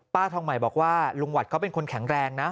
ป้าทองใหม่บอกว่าลุงหวัดเขาเป็นคนแข็งแรงนะ